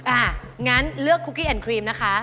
อ่ะงั้นเลือกคุกกี้แอนดครีมนะคะ